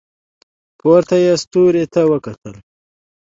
پورته یې ستوري ته وکتل.